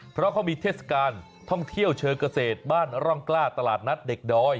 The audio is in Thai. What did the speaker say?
เพราะเขามีเทศกาลท่องเที่ยวเชิงเกษตรบ้านร่องกล้าตลาดนัดเด็กดอย